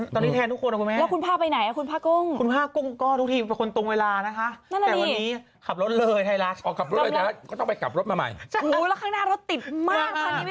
ตอนนี้แทนทุกคนนะครับแม่